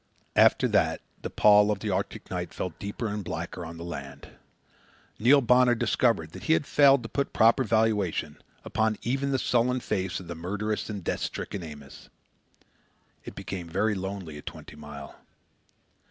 After that the pall of the Arctic night fell deeper and blacker on the land. Neil Bonner discovered that he had failed to put proper valuation upon even the sullen face of the murderous and death stricken Amos. It became very lonely at Twenty Mile.